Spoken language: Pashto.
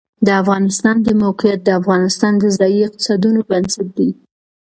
د افغانستان د موقعیت د افغانستان د ځایي اقتصادونو بنسټ دی.